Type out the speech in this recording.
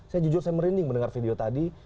saya jujur saya merinding mendengar video tadi